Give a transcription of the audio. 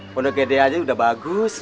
pondok gede aja udah bagus